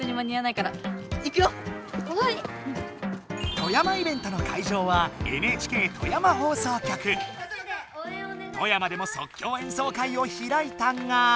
富山イベントの会場は富山でも即興演奏会をひらいたが。